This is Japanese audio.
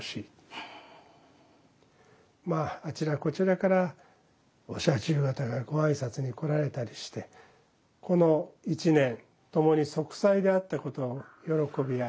まああちらこちらからお社中方がご挨拶に来られたりしてこの一年共に息災であったことを喜び合い